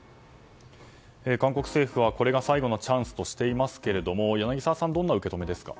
韓国政府はこれが最後のチャンスとしていますけど柳澤さんどんな受け止めですか？